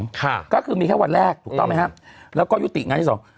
ค่ะก็คือมีแค่วันแรกถูกต้องไหมครับแล้วก็ยุติงานที่สอง